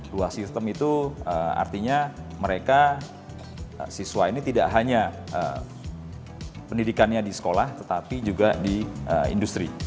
dua sistem itu artinya mereka siswa ini tidak hanya pendidikannya di sekolah tetapi juga di industri